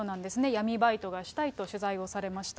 闇バイトがしたいと取材をされました。